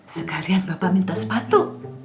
sekalian bapak minta sepatu